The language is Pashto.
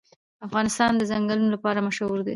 افغانستان د ځنګلونه لپاره مشهور دی.